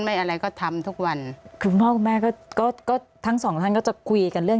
อะไรก็ทำทุกวันคือพ่อคุณแม่ก็ก็ทั้งสองท่านก็จะคุยกันเรื่อง